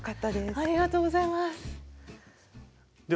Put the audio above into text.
ありがとうございます。